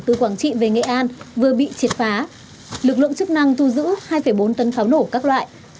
từ quảng trị về nghệ an vừa bị triệt phá lực lượng chức năng thu giữ hai bốn tấn pháo nổ các loại